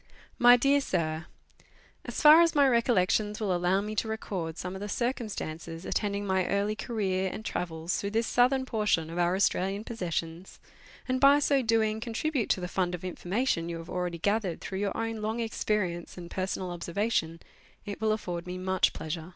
MY DEAR SIR, As far as my recollections will allow me to record some of the circumstances attending my early career and travels through this southern portion of our Australian possessions, and by so doing contribute to the fund of information you have already gathered through your own long experience and personal observation, it will afford me much pleasure.